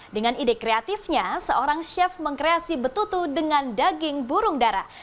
dengan ide kreatifnya seorang chef mengkreasi betutu dengan daging burung darah